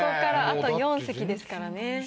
あと４席ですからね。